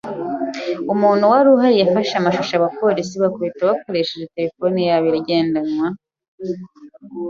Umuntu wari uhari yafashe amashusho abapolisi bakubita bakoresheje terefone yabo igendanwa.